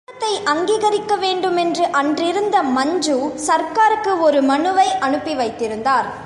அந்த சங்கத்தை அங்கீகரிக்க வேண்டுமென்று அன்றிருந்த மஞ்சு சர்க்காருக்கு ஒரு மனுவை அனுப்பி வைத்திருந்தார்.